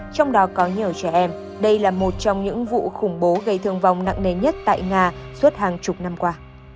trong đó có nhiều trẻ em đây là một trong những vụ khủng bố gây thương vong nặng nề nhất tại nga suốt hàng chục năm qua